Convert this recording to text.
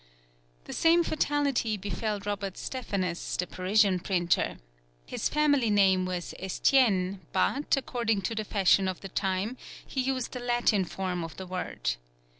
The same fatality befell Robert Stephanus, the Parisian printer. His family name was Estienne, but, according to the fashion of the time, he used the Latin form of the word.